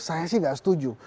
saya sih tidak setuju